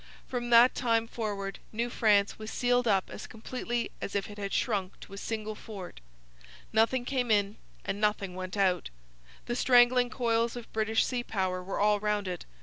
From that time forward New France was sealed up as completely as if it had shrunk to a single fort. Nothing came in and nothing went out. The strangling coils of British sea power were all round it.